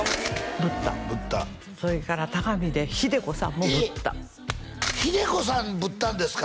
ぶったぶったそれから高峰秀子さんもぶった秀子さんぶったんですか？